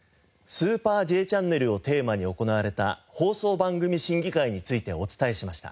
『スーパーＪチャンネル』をテーマに行われた放送番組審議会についてお伝えしました。